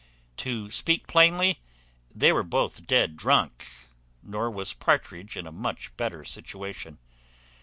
To speak plainly, they were both dead drunk, nor was Partridge in a much better situation.